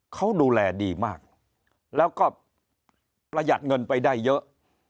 เขาดูแลดีมากแล้วก็ประหยัดเงินไปได้เยอะ